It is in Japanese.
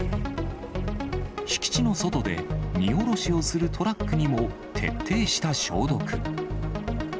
敷地の外で、荷降ろしをするトラックにも、徹底した消毒。